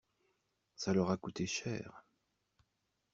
Ça leur a coûté cher.